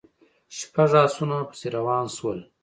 شپږ آسونه پسې روان شول.